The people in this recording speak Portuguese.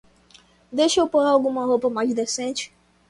Deixe eu por alguma roupa mais decente.